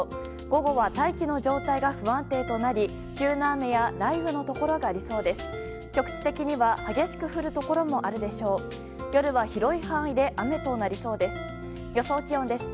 午後は大気の状態が不安定となり急な雨や雷雨のところがありそうです。